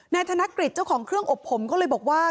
ธนกฤษเจ้าของเครื่องอบผมก็เลยบอกว่า